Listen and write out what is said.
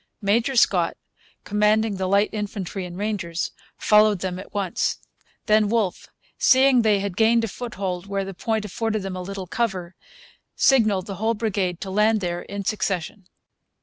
Major Scott, commanding the light infantry and rangers, followed them at once. Then Wolfe, seeing they had gained a foothold where the point afforded them a little cover, signalled the whole brigade to land there in succession.